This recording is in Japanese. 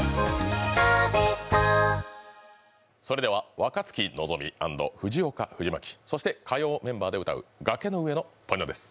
若槻のぞみ＆藤岡藤巻、そして火曜メンバーで歌う「崖の上のポニョ」です。